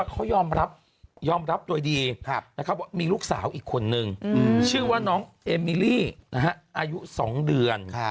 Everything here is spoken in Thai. เขายอมรับยอมรับโดยดีว่ามีลูกสาวอีกคนนึงชื่อว่าน้องเอมิลี่อายุ๒เดือน